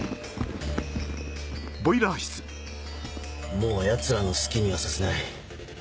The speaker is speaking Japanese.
もう奴らの好きにはさせない。